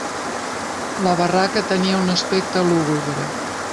La barraca tenia un aspecte lúgubre.